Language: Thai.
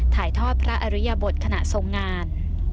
ถ่ายทอดพระอริยบทขณะทรงงาน